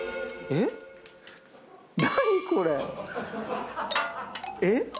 えっ⁉えっ？